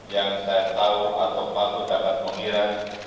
yang saya tahu atau patut dapat mengira